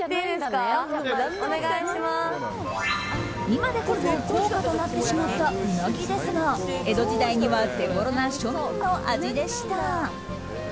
今でこそ高価となってしまったうなぎですが江戸時代には手ごろな庶民の味でした。